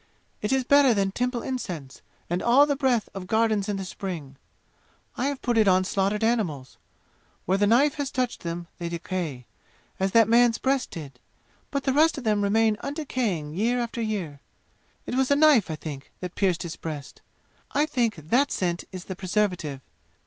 It is better than temple incense and all the breath of gardens in the spring! I have put it on slaughtered animals. Where the knife has touched them, they decay as that man's breast did but the rest of them remains undecaying year after year. It was a knife, I think, that pierced his breast. I think that scent is the preservative.